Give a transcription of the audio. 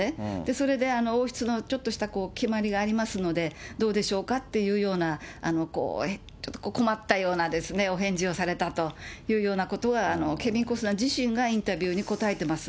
それで、王室のちょっとした決まりがありますので、どうでしょうか？っていうような、ちょっと困ったようなですね、お返事をされたというようなことは、ケビン・コスナー自身がインタビューに答えてます。